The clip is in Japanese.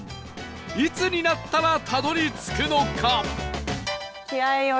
いつになったらたどり着くのか？